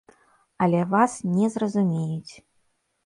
Але вас не зразумеюць.